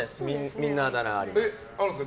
みんな、あだ名があるんです。